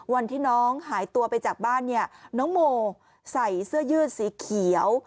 วันที่น้องหายตัวไปจากบ้านเนี่ยน้องโมใส่เสื้อยืดสีเขียว